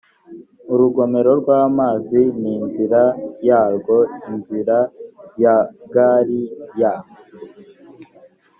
urugomerorw amazi n inzira yarwo inzira ya gari ya